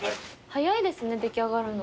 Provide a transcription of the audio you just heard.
早いですね出来上がるの。